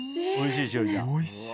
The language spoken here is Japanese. おいしい？